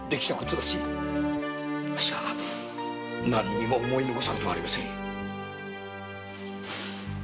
あっしは何にも思い残すことはありません。